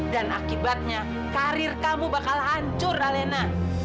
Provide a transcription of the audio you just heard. dan akibatnya karir kamu bakal hancur alena